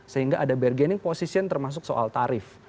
sehingga ada bargaining position termasuk soal tarif